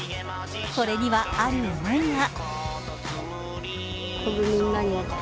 これにはある思いが。